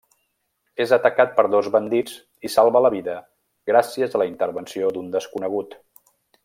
És atacat per dos bandits i salva la vida gràcies a la intervenció d'un desconegut.